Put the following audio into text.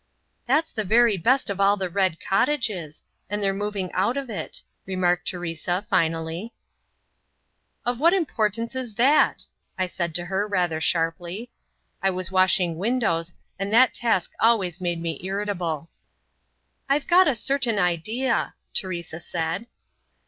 "That's the very best of all the 'Red Cottages,' and they're moving out of it" remarked Teresa finally. "Of what importance is that?" I said to her rather sharply. I was washing windows, and that task always made me irritable. "I've got a certain idea!" Teresa said.